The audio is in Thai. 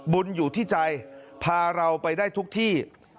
บุญอยู่ที่ใจพาเราไปได้ทุกที่